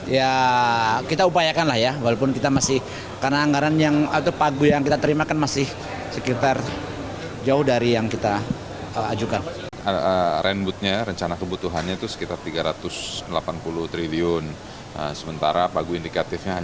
ya kita upayakan lah ya walaupun kita masih karena anggaran yang atau pagu yang kita terima kan masih sekitar jauh dari yang kita ajukan